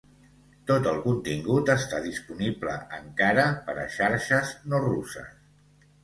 Tot el contingut està disponible encara per a xarxes no russes.